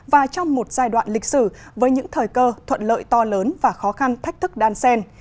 và trong một giai đoạn lịch sử với những thời cơ thuận lợi to lớn và khó khăn thách thức đan sen